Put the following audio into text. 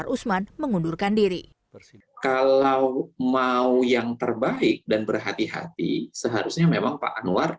usman mengundurkan diri kalau mau yang terbaik dan berhati hati seharusnya memang pak anwar